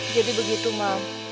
jadi begitu mam